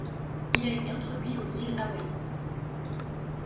Il a été introduit aux îles Hawaï.